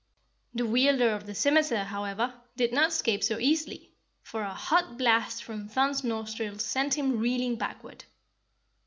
The wielder of the scimiter, however, did not escape so easily, for a hot blast from Thun's nostrils sent him reeling backward.